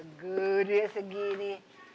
beged ya segini